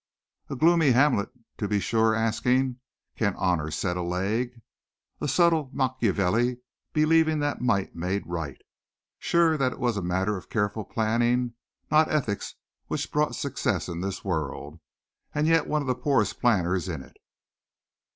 A gloomy Hamlet to be sure, asking "can honor set a leg?" a subtle Machiavelli believing that might made right, sure that it was a matter of careful planning, not ethics which brought success in this world, and yet one of the poorest planners in it.